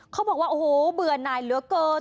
เขาบอกว่าโอ้โหเบื่อหน่ายเหลือเกิน